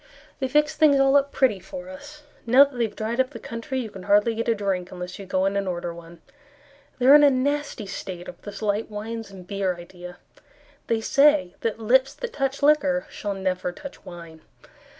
They fixed things all up pretty for us; Now that they have dried up the country, You can hardly get a drink unless you go in and order one. They are in a nasty state over this light wines and beer idea; They say that lips that touch liquor Shall never touch wine.